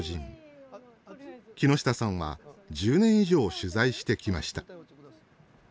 木下さんは１０年以上取材してきました。